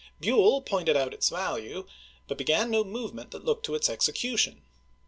Buell pointed out its value, but began no movement that looked to its execution.